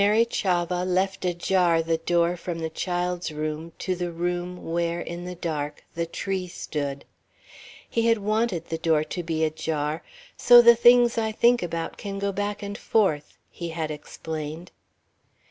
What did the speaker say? Mary Chavah left ajar the door from the child's room to the room where, in the dark, the tree stood. He had wanted the door to be ajar "so the things I think about can go back and forth," he had explained.